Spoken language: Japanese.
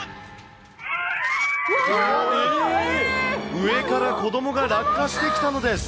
上から子どもが落下してきたのです。